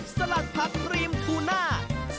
สลัดผักรีมทูน่า